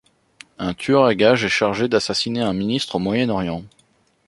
Un tueur à gages est chargé d'assassiner un ministre au Moyen-Orient.